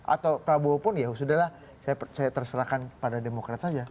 atau prabowo pun ya sudah lah saya terserahkan pada demokrat saja